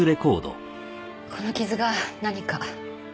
この傷が何か？